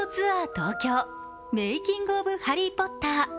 東京ーメイキング・オブ・ハリー・ポッター